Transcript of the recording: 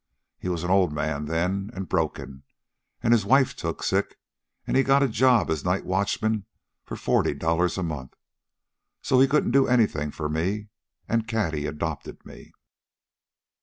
He was an old man, then, and broken, and his wife took sick, and he got a job as night watchman for forty dollars a month. So he couldn't do anything for me, and Cady adopted me.